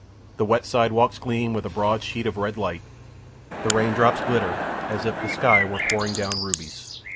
The wet sidewalks gleam with a broad sheet of red light. The rain drops glitter, as if the sky were pouring down rubies.